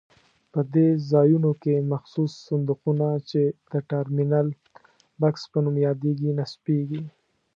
په دې ځایونو کې مخصوص صندوقونه چې د ټرمینل بکس په نوم یادېږي نصبېږي.